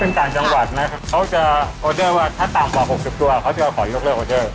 เป็นต่างจังหวัดนะครับเขาจะออเดอร์ว่าถ้าต่ำกว่า๖๐ตัวเขาจะขอยกเลิกออเดอร์